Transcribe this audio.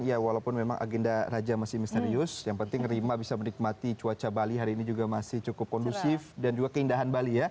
ya walaupun memang agenda raja masih misterius yang penting rima bisa menikmati cuaca bali hari ini juga masih cukup kondusif dan juga keindahan bali ya